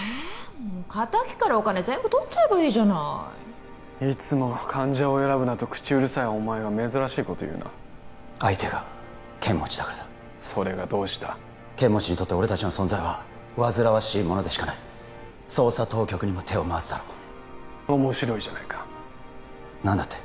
もう敵からお金全部取っちゃえばいいじゃないいつも患者を選ぶなと口うるさいお前が珍しいこと言うな相手が剣持だからだそれがどうした剣持にとって俺たちの存在は煩わしいものでしかない捜査当局にも手を回すだろう面白いじゃないか何だって？